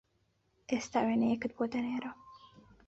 ئێستا وێنەیەکت بۆ دەنێرم